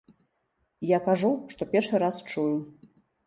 Я кажу, што першы раз чую.